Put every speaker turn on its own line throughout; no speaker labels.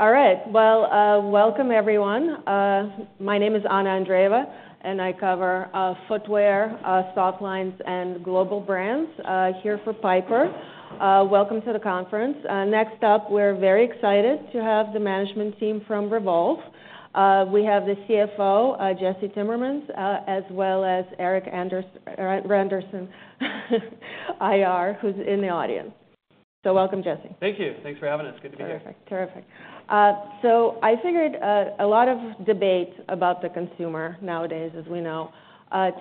All right. Well, welcome, everyone. My name is Anna Andreeva, and I cover footwear, stock lines, and global brands here for Piper. Welcome to the conference. Next up, we're very excited to have the management team from Revolve. We have the CFO, Jesse Timmermans, as well as Erik Randerson, IR, who's in the audience. So welcome, Jesse.
Thank you. Thanks for having us. Good to be here.
Terrific. Terrific. So I figured, a lot of debate about the consumer nowadays, as we know.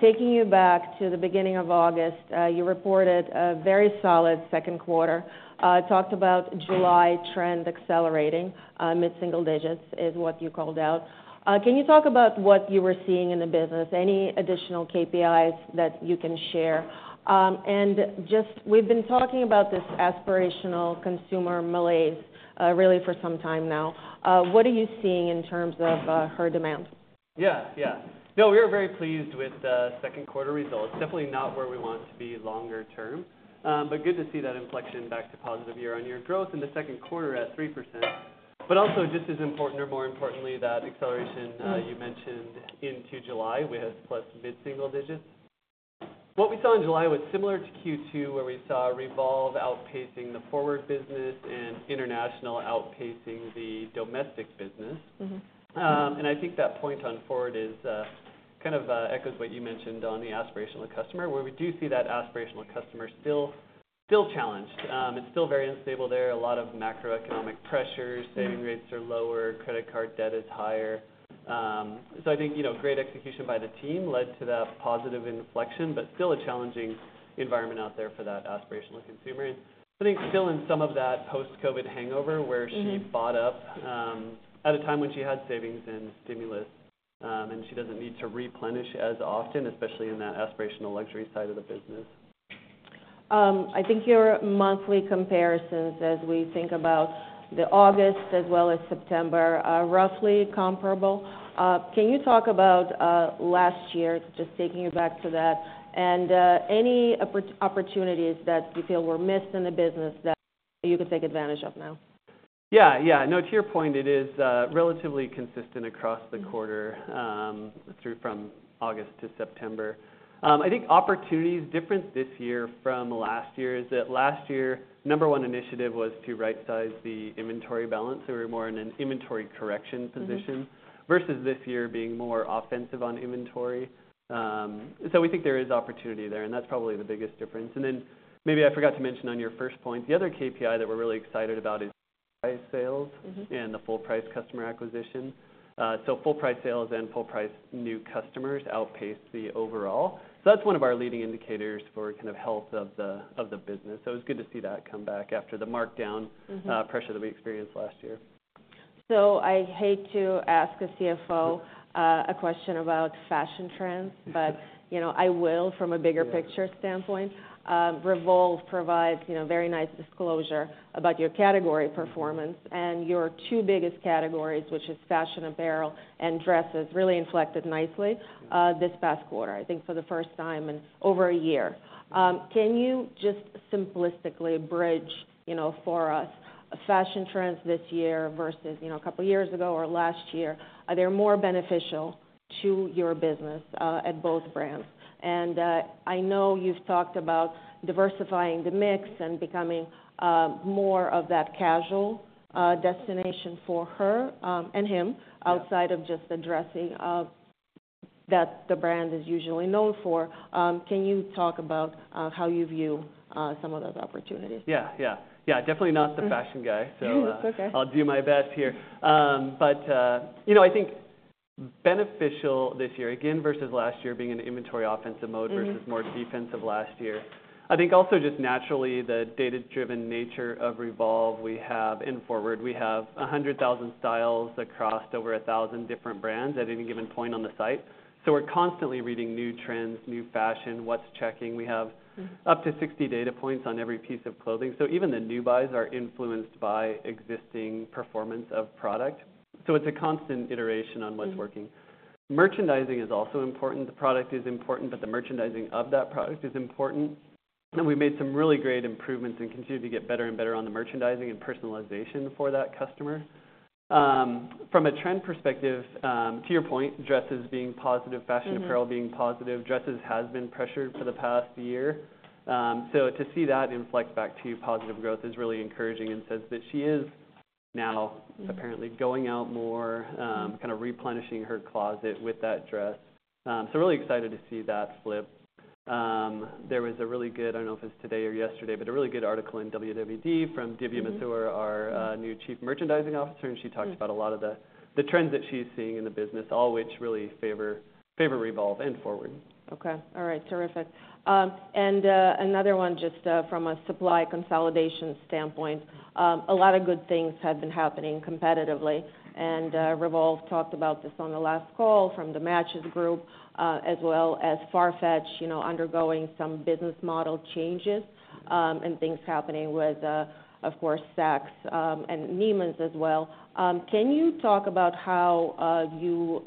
Taking you back to the beginning of August, you reported a very solid second quarter. Talked about July trend accelerating. Mid-single digits is what you called out. Can you talk about what you were seeing in the business? Any additional KPIs that you can share? And just, we've been talking about this aspirational consumer malaise, really for some time now. What are you seeing in terms of her demand?
Yeah, yeah. No, we were very pleased with the second quarter results. Definitely not where we want to be longer term, but good to see that inflection back to positive year on year growth in the second quarter at 3%. But also, just as important or more importantly, that acceleration you mentioned into July, we had plus mid-single digits. What we saw in July was similar to Q2, where we saw Revolve outpacing the FWRD business and international outpacing the domestic business.
Mm-hmm.
And I think that point on FWRD is kind of echoes what you mentioned on the aspirational customer, where we do see that aspirational customer still challenged. It's still very unstable there, a lot of macroeconomic pressures-
Mm-hmm.
Saving rates are lower, credit card debt is higher. So I think, you know, great execution by the team led to that positive inflection, but still a challenging environment out there for that aspirational consumer. I think still in some of that post-COVID hangover, where-
Mm-hmm...
she bought up, at a time when she had savings and stimulus, and she doesn't need to replenish as often, especially in that aspirational luxury side of the business.
I think your monthly comparisons as we think about the August as well as September are roughly comparable. Can you talk about last year, just taking it back to that, and any opportunities that you feel were missed in the business that you can take advantage of now?
Yeah, yeah. No, to your point, it is relatively consistent across the quarter. Mm-hmm... through from August to September. I think opportunities different this year from last year is that last year, number one initiative was to right-size the inventory balance. So we're more in an inventory correction position- Mm-hmm... versus this year being more offensive on inventory. So we think there is opportunity there, and that's probably the biggest difference. And then, maybe I forgot to mention on your first point, the other KPI that we're really excited about is price sales-
Mm-hmm...
and the full price customer acquisition. So full price sales and full price new customers outpaced the overall. So that's one of our leading indicators for kind of health of the business. So it's good to see that come back after the markdown-
Mm-hmm...
pressure that we experienced last year.
So I hate to ask a CFO- Mm... a question about fashion trends, but, you know, I will from a bigger- Yeah... picture standpoint. Revolve provides, you know, very nice disclosure about your category performance and your two biggest categories, which is fashion apparel and dresses, really inflected nicely, this past quarter, I think for the first time in over a year. Can you just simplistically bridge, you know, for us, fashion trends this year versus, you know, a couple of years ago or last year? Are they more beneficial to your business at both brands, and I know you've talked about diversifying the mix and becoming more of that casual destination for her and him- Yeah... outside of just the dressing that the brand is usually known for. Can you talk about how you view some of those opportunities?
Yeah, yeah. Yeah, definitely not the fashion guy.
It's okay.
I'll do my best here. But, you know, I think beneficial this year, again, versus last year, being in the inventory offensive mode.
Mm-hmm...
versus more defensive last year. I think also just naturally, the data-driven nature of Revolve, we have and FWRD, we have 100,000 styles across over 1,000 different brands at any given point on the site. So we're constantly reading new trends, new fashion, what's clicking. We have Mm... up to sixty data points on every piece of clothing. So even the new buys are influenced by existing performance of product. So it's a constant iteration on what's working.
Mm.
Merchandising is also important. The product is important, but the merchandising of that product is important, and we've made some really great improvements and continue to get better and better on the merchandising and personalization for that customer. From a trend perspective, to your point, dresses being positive-
Mm-hmm...
fashion apparel being positive, dresses has been pressured for the past year. So to see that inflect back to positive growth is really encouraging and says that she is now-
Mm...
apparently going out more, kind of replenishing her closet with that dress. So really excited to see that flip. There was a really good, I don't know if it's today or yesterday, but a really good article in WWD from Divya Mathur.
Mm-hmm...
our new Chief Merchandising Officer, and she talked-
Mm...
about a lot of the trends that she's seeing in the business, all which really favor Revolve and FWRD.
Okay. All right, terrific. And another one just from a supply consolidation standpoint. A lot of good things have been happening competitively, and Revolve talked about this on the last call from the Matches, as well as Farfetch, you know, undergoing some business model changes, and things happening with, of course, Saks, and Neiman's as well. Can you talk about how you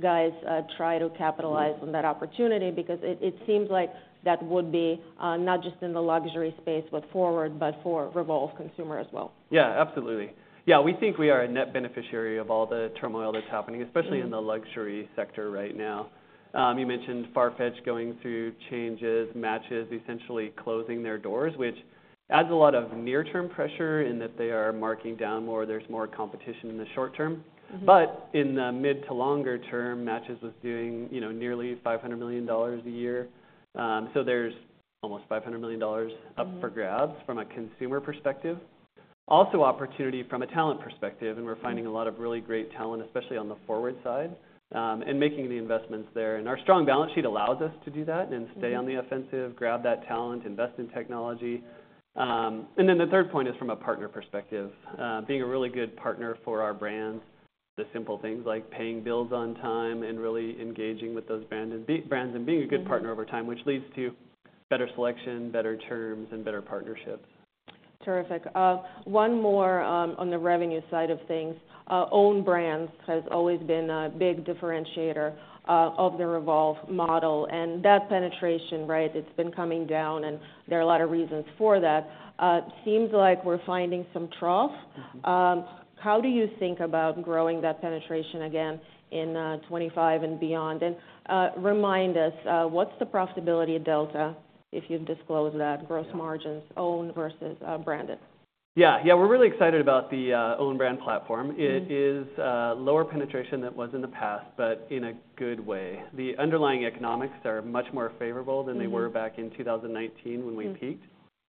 guys try to capitalize on that opportunity? Because it seems like that would be not just in the luxury space with FWRD, but for Revolve consumer as well.
Yeah, absolutely. Yeah, we think we are a net beneficiary of all the turmoil that's happening- Mm-hmm... especially in the luxury sector right now. You mentioned Farfetch going through changes, Matches essentially closing their doors, which adds a lot of near-term pressure in that they are marking down more, there's more competition in the short term.
Mm-hmm.
But in the mid to longer term, Matches was doing, you know, nearly $500 million a year. So there's almost $500 million up for grabs from a consumer perspective. Also, opportunity from a talent perspective, and we're finding a lot of really great talent, especially on the FWRD side, and making the investments there. And our strong balance sheet allows us to do that and stay on the offensive, grab that talent, invest in technology. And then the third point is from a partner perspective, being a really good partner for our brands, the simple things like paying bills on time and really engaging with those brands, and being a good partner over time, which leads to better selection, better terms, and better partnerships.
Terrific. One more, on the revenue side of things. Own brands has always been a big differentiator, of the Revolve model, and that penetration, right, it's been coming down, and there are a lot of reasons for that. Seems like we're finding some trough. How do you think about growing that penetration again in, 2025 and beyond? And, remind us, what's the profitability delta, if you'd disclose that, gross margins, own versus, branded?
Yeah. Yeah, we're really excited about the own brand platform. Mm-hmm. It is lower penetration than it was in the past, but in a good way. Yeah. The underlying economics are much more favorable than they were-
Mm-hmm...
back in 2019 when we peaked.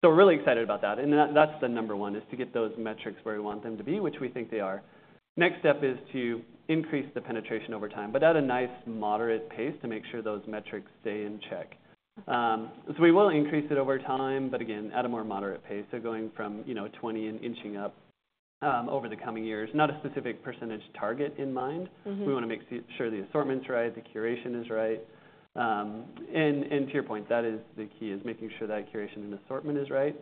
So we're really excited about that, and that's the number one, is to get those metrics where we want them to be, which we think they are. Next step is to increase the penetration over time, but at a nice, moderate pace to make sure those metrics stay in check. So we will increase it over time, but again, at a more moderate pace. So going from, you know, 20 and inching up over the coming years, not a specific percentage target in mind.
Mm-hmm.
We wanna make sure the assortment's right, the curation is right. And to your point, that is the key, is making sure that curation and assortment is right,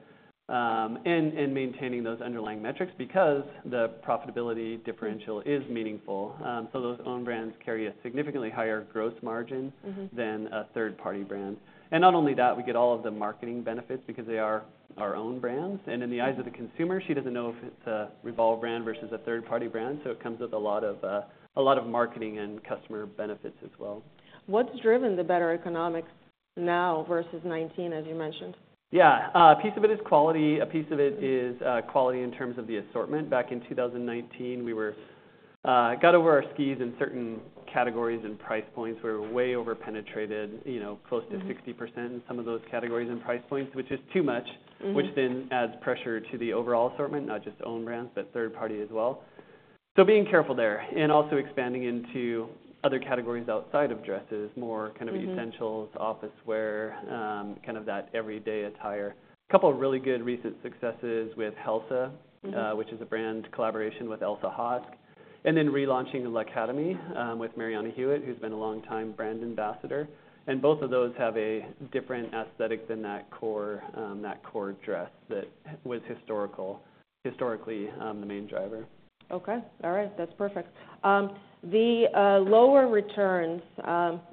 and maintaining those underlying metrics because the profitability differential is meaningful. So those own brands carry a significantly higher gross margin-
Mm-hmm...
than a third-party brand. And not only that, we get all of the marketing benefits because they are our own brands, and in the eyes of the consumer, she doesn't know if it's a Revolve brand versus a third-party brand, so it comes with a lot of marketing and customer benefits as well.
What's driven the better economics now versus 2019, as you mentioned?
Yeah, a piece of it is quality. A piece of it is quality in terms of the assortment. Back in two thousand and nineteen, we were got over our skis in certain categories and price points. We were way over-penetrated, you know, close to 60%- Mm-hmm... in some of those categories and price points, which is too much.
Mm-hmm.
Which then adds pressure to the overall assortment, not just own brands, but third party as well. So being careful there, and also expanding into other categories outside of dresses, more kind of-
Mm-hmm...
essentials, office wear, kind of that everyday attire. Couple of really good recent successes with Helsa-
Mm-hmm...
which is a brand collaboration with Elsa Hosk, and then relaunching L'Academie with Marianna Hewitt, who's been a longtime brand ambassador. Both of those have a different aesthetic than that core dress that was historically the main driver.
Okay, all right. That's perfect. The lower returns,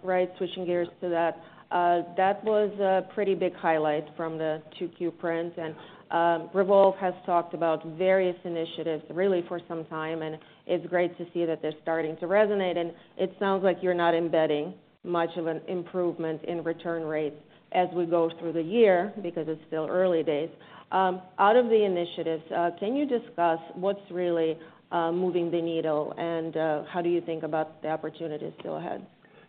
right, switching gears to that, that was a pretty big highlight from the two Q prints, and Revolve has talked about various initiatives, really for some time, and it's great to see that they're starting to resonate, and it sounds like you're not embedding much of an improvement in return rates as we go through the year because it's still early days. Out of the initiatives, can you discuss what's really moving the needle, and how do you think about the opportunities still ahead?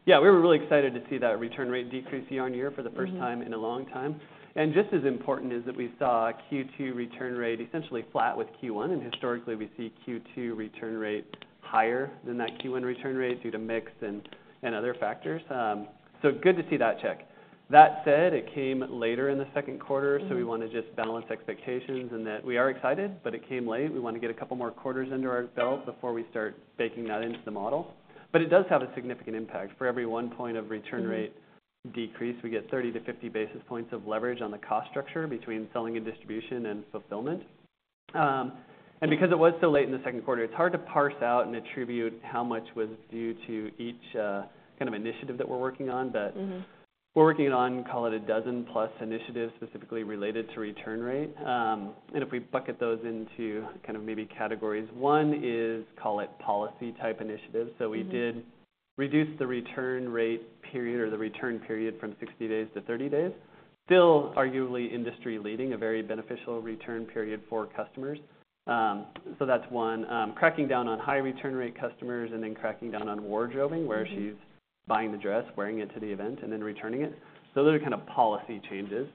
Yeah, we were really excited to see that return rate decrease year on year for the first time-
Mm-hmm...
in a long time. And just as important is that we saw a Q2 return rate essentially flat with Q1, and historically, we see Q2 return rate higher than that Q1 return rate due to mix and other factors. So good to see that check. That said, it came later in the second quarter- Mm-hmm... so we wanna just balance expectations, and that we are excited, but it came late. We wanna get a couple more quarters under our belt before we start baking that into the model, but it does have a significant impact. For every one point of return rate- Mm-hmm... decrease, we get 30-50 basis points of leverage on the cost structure between selling and distribution and fulfillment. And because it was so late in the second quarter, it's hard to parse out and attribute how much was due to each kind of initiative that we're working on. But-
Mm-hmm...
we're working on, call it a dozen-plus initiatives, specifically related to return rate, and if we bucket those into kind of maybe categories, one is, call it policy-type initiatives.
Mm-hmm.
So we did reduce the return rate period or the return period from 60 days to 30 days. Still, arguably industry-leading, a very beneficial return period for customers. So that's one. Cracking down on high return rate customers and then cracking down on wardrobing- Mm-hmm... where she's buying the dress, wearing it to the event, and then returning it. So those are kind of policy changes,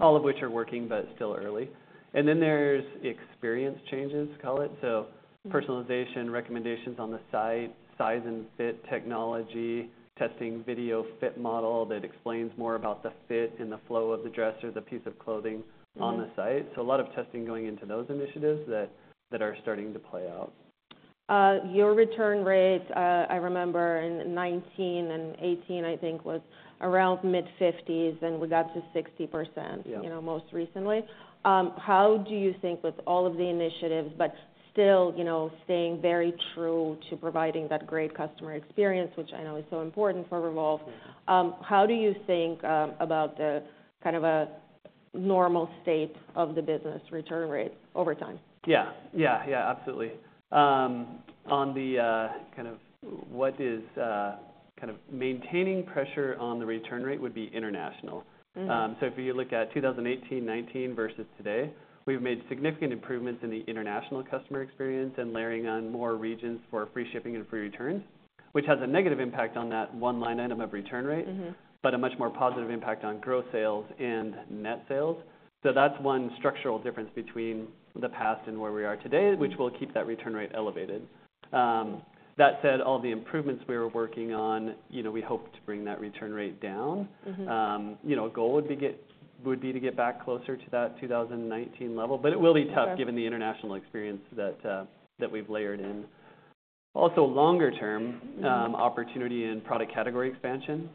all of which are working, but still early. And then there's experience changes, call it. Mm-hmm. So personalization, recommendations on the site, size and fit, technology, testing video fit model that explains more about the fit and the flow of the dress or the piece of clothing- Mm-hmm... on the site. So a lot of testing going into those initiatives that are starting to play out.
Your return rate, I remember in 2019 and 2018, I think, was around mid-fifties, and we got to 60%. Yeah... you know, most recently. How do you think with all of the initiatives, but still, you know, staying very true to providing that great customer experience, which I know is so important for Revolve- Yeah... how do you think about the kind of a normal state of the business return rate over time?
Yeah. Yeah, yeah, absolutely. On the kind of what is kind of maintaining pressure on the return rate would be international.
Mm-hmm.
So if you look at 2018, 2019 versus today, we've made significant improvements in the international customer experience and layering on more regions for free shipping and free returns, which has a negative impact on that one line item of return rate.
Mm-hmm.
But a much more positive impact on growth sales and net sales. So that's one structural difference between the past and where we are today, which will keep that return rate elevated. That said, all the improvements we were working on, you know, we hope to bring that return rate down.
Mm-hmm.
You know, a goal would be to get back closer to that 2019 level, but it will be tough.
Sure.
Given the international experience that that we've layered in. Also, longer term, opportunity in product category expansion.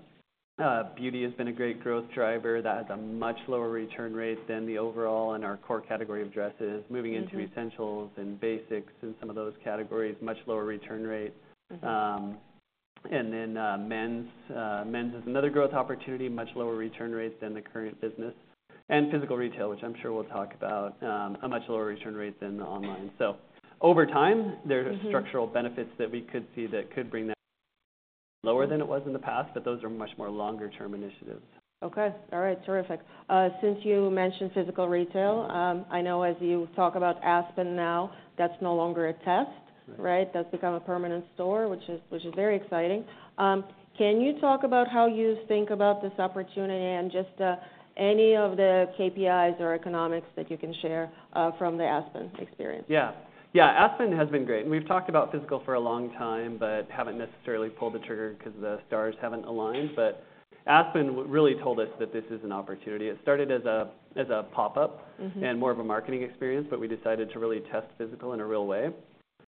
Beauty has been a great growth driver that has a much lower return rate than the overall and our core category of dresses.
Mm-hmm.
Moving into essentials and basics and some of those categories, much lower return rate. Mm-hmm. And then, men's. Men's is another growth opportunity, much lower return rates than the current business, and physical retail, which I'm sure we'll talk about, a much lower return rate than the online. So over time-
Mm-hmm...
there are structural benefits that we could see that could bring that lower than it was in the past, but those are much more longer term initiatives.
Okay. All right, terrific. Since you mentioned physical retail, I know as you talk about Aspen now, that's no longer a test, right? Right. That's become a permanent store, which is very exciting. Can you talk about how you think about this opportunity and just any of the KPIs or economics that you can share from the Aspen experience?
Yeah. Yeah, Aspen has been great. We've talked about physical for a long time, but haven't necessarily pulled the trigger because the stars haven't aligned. But Aspen really told us that this is an opportunity. It started as a pop-up-
Mm-hmm...
and more of a marketing experience, but we decided to really test physical in a real way.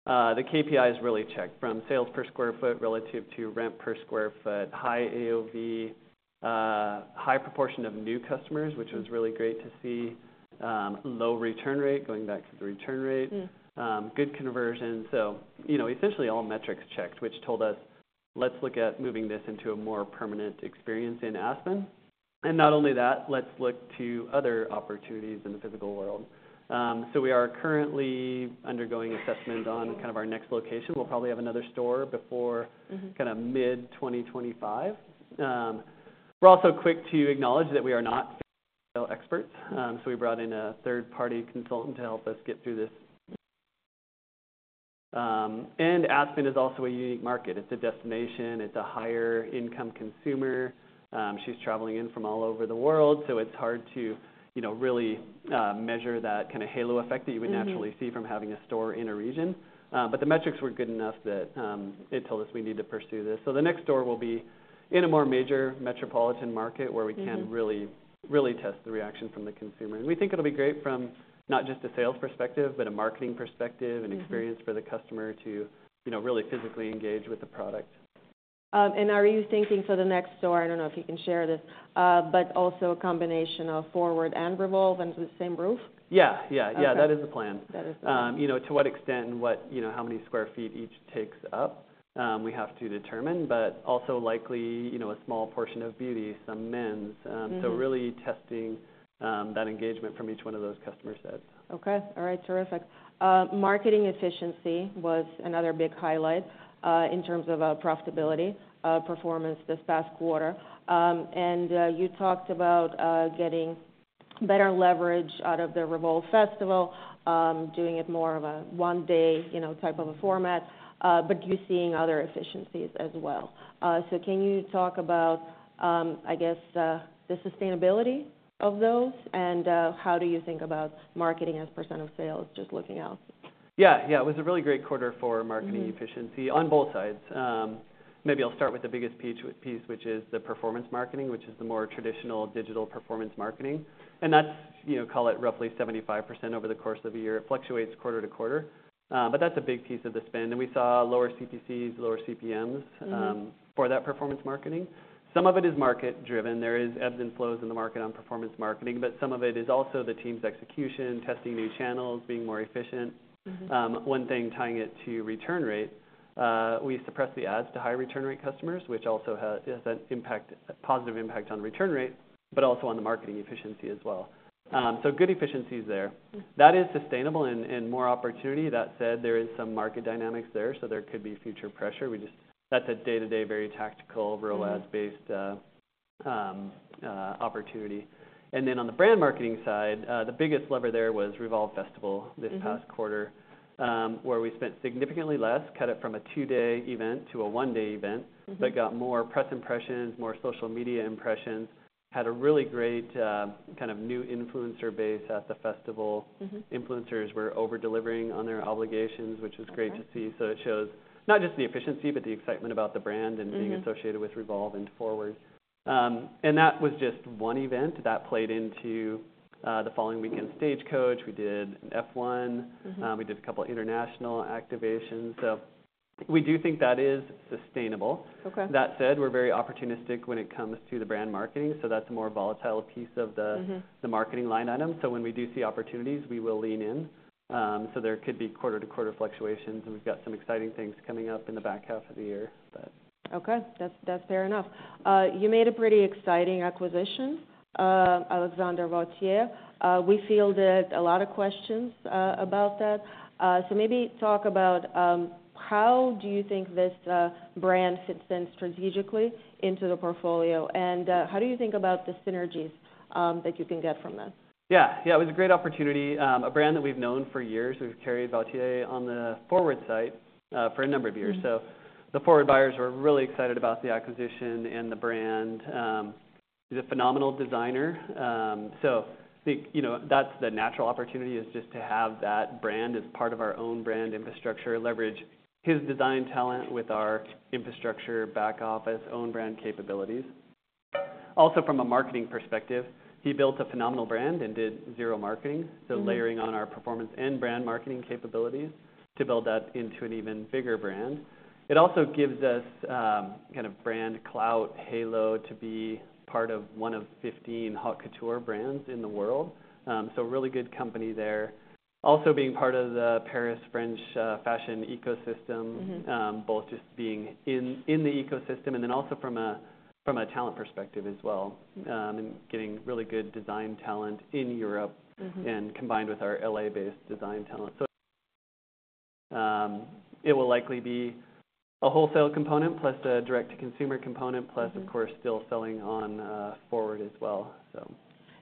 The KPIs really checked from sales per sq ft relative to rent per sq ft, high AOV, high proportion of new customers, which was- Mm-hmm... really great to see. Low return rate, going back to the return rate.
Mm.
Good conversion. You know, essentially all metrics checked, which told us, "Let's look at moving this into a more permanent experience in Aspen." Not only that, let's look to other opportunities in the physical world. We are currently undergoing assessment on kind of our next location. We'll probably have another store before-
Mm-hmm...
kind of mid 2025 we're also quick to acknowledge that we are not retail experts, so we brought in a third-party consultant to help us get through this. And Aspen is also a unique market. It's a destination. It's a higher income consumer. She's traveling in from all over the world, so it's hard to, you know, really, measure that kind of halo effect-
Mm-hmm...
that you would naturally see from having a store in a region. But the metrics were good enough that it told us we need to pursue this. So the next store will be in a more major metropolitan market-
Mm-hmm...
where we can really, really test the reaction from the consumer. And we think it'll be great from not just a sales perspective, but a marketing perspective- Mm-hmm... and experience for the customer to, you know, really physically engage with the product.
Are you thinking for the next store, I don't know if you can share this, but also a combination of FWRD and Revolve under the same roof?
Yeah. Yeah, yeah.
Okay.
That is the plan. That is the plan. You know, to what extent and what, you know, how many square feet each takes up, we have to determine, but also likely, you know, a small portion of beauty, some men's.
Mm-hmm.
So, really testing that engagement from each one of those customer sets.
Okay. All right, terrific. Marketing efficiency was another big highlight in terms of profitability performance this past quarter. And you talked about getting better leverage out of the Revolve Festival, doing it more of a one-day, you know, type of a format, but you're seeing other efficiencies as well. So can you talk about I guess the sustainability of those, and how do you think about marketing as a percent of sales, just looking out?
Yeah, yeah. It was a really great quarter for marketing-
Mm-hmm...
efficiency on both sides. Maybe I'll start with the biggest piece, which is the performance marketing, which is the more traditional digital performance marketing. And that's, you know, call it roughly 75% over the course of a year. It fluctuates quarter to quarter, but that's a big piece of the spend. And we saw lower CPCs, lower CPMs.
Mm-hmm...
for that performance marketing. Some of it is market driven. There is ebbs and flows in the market on performance marketing, but some of it is also the team's execution, testing new channels, being more efficient.
Mm-hmm.
One thing, tying it to return rate, we suppress the ads to high return rate customers, which also has an impact, a positive impact on return rate, but also on the marketing efficiency as well. So good efficiencies there.
Mm.
That is sustainable and more opportunity. That said, there is some market dynamics there, so there could be future pressure. That's a day-to-day, very tactical, real ads-
Mm-hmm...
based, opportunity, and then on the brand marketing side, the biggest lever there was Revolve Festival-
Mm-hmm...
this past quarter, where we spent significantly less, cut it from a two-day event to a one-day event.
Mm-hmm.
But got more press impressions, more social media impressions, had a really great, kind of new influencer base at the festival.
Mm-hmm.
Influencers were over-delivering on their obligations, which was- Okay... great to see. So it shows not just the efficiency, but the excitement about the brand-
Mm-hmm...
and being associated with Revolve and FWRD. And that was just one event that played into the following weekend, Stagecoach. We did F1.
Mm-hmm.
We did a couple international activations. So we do think that is sustainable.
Okay.
That said, we're very opportunistic when it comes to the brand marketing, so that's a more volatile piece of the-
Mm-hmm...
the marketing line item. So when we do see opportunities, we will lean in. So there could be quarter-to-quarter fluctuations, and we've got some exciting things coming up in the back half of the year, but.
Okay. That's, that's fair enough. You made a pretty exciting acquisition, Alexandre Vauthier. We fielded a lot of questions about that. So maybe talk about how do you think this brand fits in strategically into the portfolio? And how do you think about the synergies that you can get from this?
Yeah. Yeah, it was a great opportunity. A brand that we've known for years. We've carried Vauthier on the FWRD site, for a number of years.
Mm-hmm.
So the FWRD buyers were really excited about the acquisition and the brand. He's a phenomenal designer. So, I think, you know, that's the natural opportunity, is just to have that brand as part of our own brand infrastructure, leverage his design talent with our infrastructure, back office, own brand capabilities. Also, from a marketing perspective, he built a phenomenal brand and did zero marketing.
Mm-hmm.
So layering on our performance and brand marketing capabilities to build that into an even bigger brand. It also gives us, kind of brand clout, halo, to be part of one of 15 haute couture brands in the world. So really good company there. Also, being part of the Paris French fashion ecosystem.
Mm-hmm...
both just being in the ecosystem, and then also from a talent perspective as well, and getting really good design talent in Europe.
Mm-hmm.
And combined with our LA-based design talent. So, it will likely be a wholesale component, plus the direct-to-consumer component-
Mm-hmm...
plus, of course, still selling on FWRD as well, so.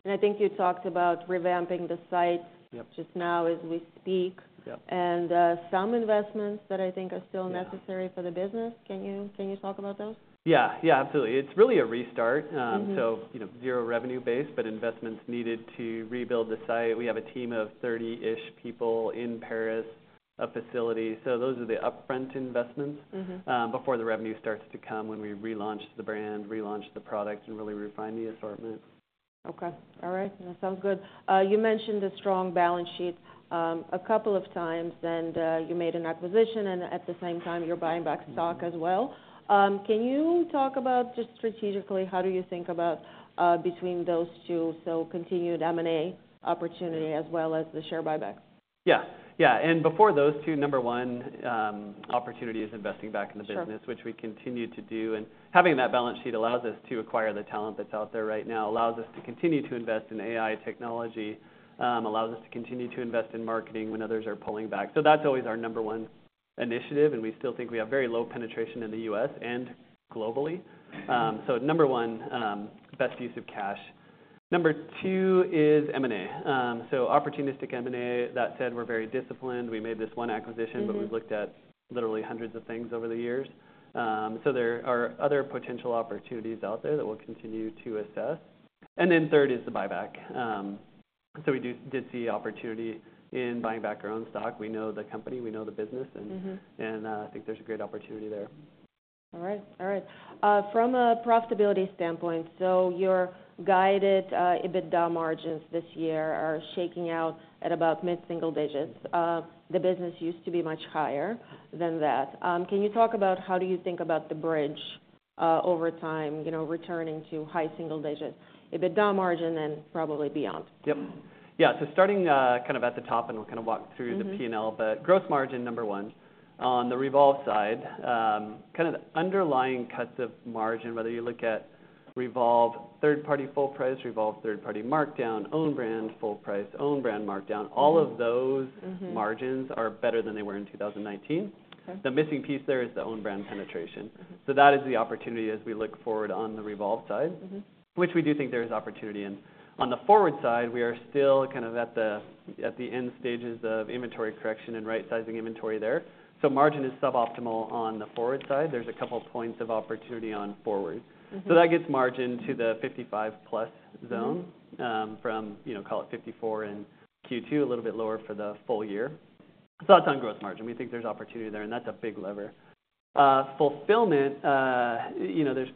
I think you talked about revamping the site-
Yep...
just now as we speak.
Yep.
And, some investments that I think are still- Yeah... necessary for the business. Can you talk about those?
Yeah, yeah, absolutely. It's really a restart.
Mm-hmm.
So, you know, zero revenue base, but investments needed to rebuild the site. We have a team of 30-ish people in Paris, a facility, so those are the upfront investments-
Mm-hmm...
before the revenue starts to come when we relaunch the brand, relaunch the product, and really refine the assortment.
Okay, all right. That sounds good. You mentioned the strong balance sheet a couple of times, and you made an acquisition, and at the same time, you're buying back stock as well. Can you talk about, just strategically, how do you think about between those two, so continued M&A opportunity as well as the share buybacks?
Yeah. Yeah, and before those two, number one, opportunity is investing back in the business-
Sure...
which we continue to do. And having that balance sheet allows us to acquire the talent that's out there right now, allows us to continue to invest in AI technology, allows us to continue to invest in marketing when others are pulling back. So that's always our number one initiative, and we still think we have very low penetration in the U.S. and globally. So number one, best use of cash. Number two is M&A. So opportunistic M&A. That said, we're very disciplined. We made this one acquisition-
Mm-hmm...
but we've looked at literally hundreds of things over the years, so there are other potential opportunities out there that we'll continue to assess, and then third is the buyback, so we did see opportunity in buying back our own stock. We know the company, we know the business, and-
Mm-hmm...
and, I think there's a great opportunity there.
All right. All right. From a profitability standpoint, so your guided EBITDA margins this year are shaking out at about mid-single digits. The business used to be much higher than that. Can you talk about how do you think about the bridge over time, you know, returning to high single digits, EBITDA margin, and probably beyond?
Yep. Yeah, so starting, kind of at the top, and we'll kind of walk through-
Mm-hmm...
the P&L. But gross margin, number one, on the Revolve side, kind of the underlying cuts of margin, whether you look at Revolve third-party full price, Revolve third-party markdown, own brand full price, own brand markdown- Mm... all of those-
Mm-hmm...
margins are better than they were in 2019.
Okay.
The missing piece there is the own brand penetration.
Mm-hmm.
So that is the opportunity as we look forward on the Revolve side-
Mm-hmm...
which we do think there is opportunity in. On the FWRD side, we are still kind of at the, at the end stages of inventory correction and right-sizing inventory there. So margin is suboptimal on the FWRD side. There's a couple points of opportunity on FWRD.
Mm-hmm.
So that gets margin to the 55+ zone-
Mm-hmm...
from, you know, call it 54 in Q2, a little bit lower for the full year. So that's on gross margin. We think there's opportunity there, and that's a big lever. Fulfillment, you know, there's tens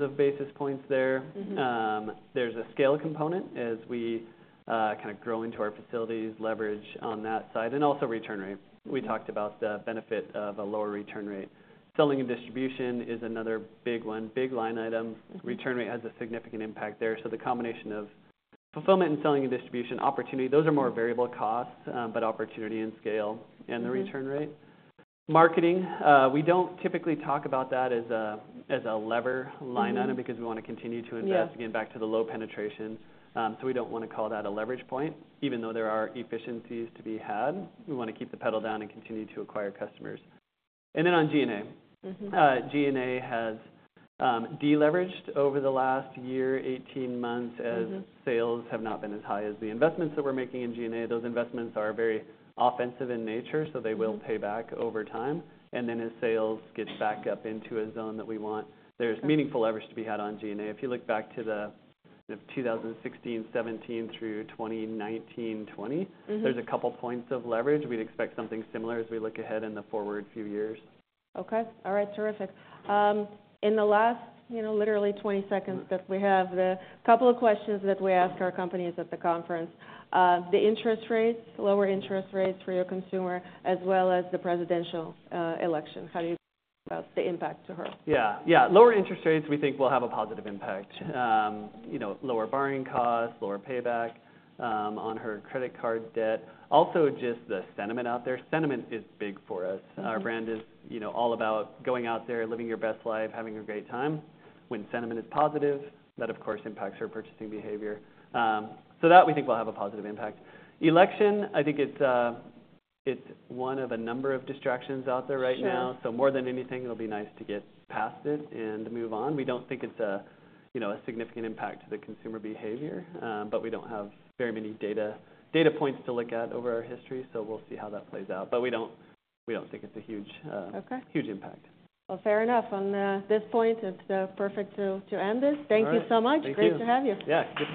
of basis points there.
Mm-hmm.
There's a scale component as we kind of grow into our facilities, leverage on that side, and also return rate.
Mm-hmm.
We talked about the benefit of a lower return rate. Selling and distribution is another big one, big line item.
Mm-hmm.
Return rate has a significant impact there, so the combination of fulfillment and selling and distribution opportunity, those are more variable costs, but opportunity and scale-
Mm-hmm...
and the return rate. Marketing, we don't typically talk about that as a lever line item-
Mm-hmm...
because we wanna continue to invest-
Yeah...
again, back to the low penetrations. So we don't wanna call that a leverage point, even though there are efficiencies to be had. We wanna keep the pedal down and continue to acquire customers. And then on G&A.
Mm-hmm.
G&A has deleveraged over the last year, eighteen months-
Mm-hmm...
as sales have not been as high as the investments that we're making in G&A. Those investments are very offensive in nature, so they will pay back over time. And then as sales gets back up into a zone that we want, there's meaningful leverage to be had on G&A. If you look back to the 2016, 2017, through 2019, 2020
Mm-hmm...
there's a couple points of leverage. We'd expect something similar as we look ahead in the FWRD few years.
Okay. All right, terrific. In the last, you know, literally twenty seconds that we have, the couple of questions that we ask our companies at the conference, the interest rates, lower interest rates for your consumer, as well as the presidential election, how do you think about the impact to her?
Yeah. Yeah, lower interest rates, we think, will have a positive impact. You know, lower borrowing costs, lower payback on her credit card debt. Also, just the sentiment out there. Sentiment is big for us. Mm-hmm. Our brand is, you know, all about going out there, living your best life, having a great time. When sentiment is positive, that, of course, impacts her purchasing behavior. So that we think will have a positive impact. Election, I think it's one of a number of distractions out there right now.
Sure.
So more than anything, it'll be nice to get past it and move on. We don't think it's a, you know, a significant impact to the consumer behavior, but we don't have very many data points to look at over our history, so we'll see how that plays out. But we don't think it's a huge.
Okay...
huge impact.
Fair enough. On this point, it's perfect to end this.
All right.
Thank you so much.
Thank you.
Great to have you.
Yeah, good to be here.